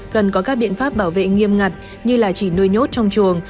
cần có các biện pháp bảo vệ nghiêm ngặt như là chỉ nuôi nhốt trong chuồng